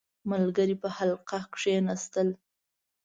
• ملګري په حلقه کښېناستل.